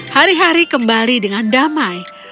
hari hari kembali dengan damai